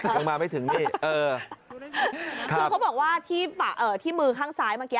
มันมาไม่ถึงนี่เออครับเขาบอกว่าที่เอ่อที่มือข้างซ้ายเมื่อกี้